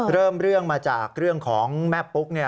เริ่มเรื่องมาจากเรื่องของแม่ปุ๊ก